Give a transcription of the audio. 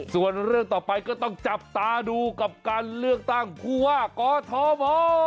ส่วนเรื่องต่อไปก็ต้องจับตาดูกับการเลือกตั้งผู้ว่ากอทม